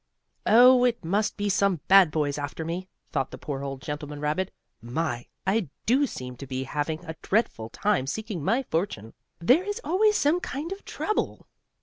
"Oh! it must be some bad boys after me," thought the poor old gentleman rabbit. "My! I do seem to be having a dreadful time seeking my fortune. There is always some kind of trouble."